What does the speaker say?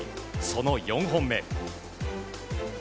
その４本目。